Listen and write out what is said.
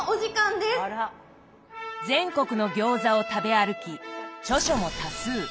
全国の餃子を食べ歩き著書も多数。